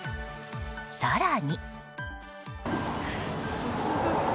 更に。